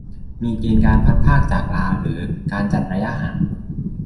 มีเกณฑ์การพลัดพรากจากลาหรือการจัดระยะห่าง